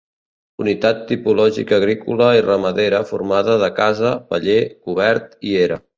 Unitat tipològica agrícola i ramadera formada de casa, paller, cobert i era.